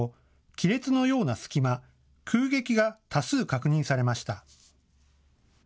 亀裂のような隙間、空隙が多数、確認されました。